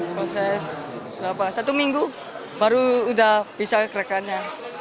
proses selama satu minggu baru udah bisa gerakannya